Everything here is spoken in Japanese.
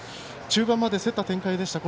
中盤まで競った展開でした。